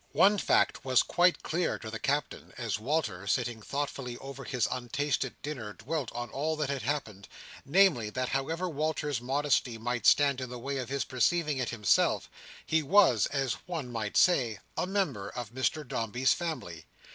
One fact was quite clear to the Captain, as Walter, sitting thoughtfully over his untasted dinner, dwelt on all that had happened; namely, that however Walter's modesty might stand in the way of his perceiving it himself, he was, as one might say, a member of Mr Dombey's family.